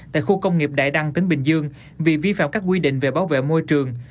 tại khu công nghiệp đại đăng tỉnh bình dương vì vi phạm các quy định về bảo vệ môi trường